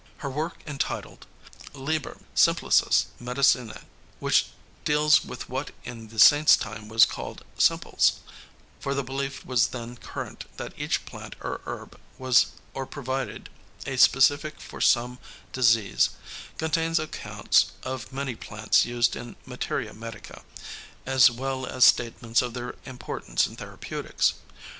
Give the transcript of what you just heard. Her work entitled Liber Simplicis Medicinæ, which deals with what in the Saint's time was called "simples" for the belief was then current that each plant or herb was or provided a specific for some disease contains accounts of many plants used in materia medica, as well as statements of their importance in therapeutics.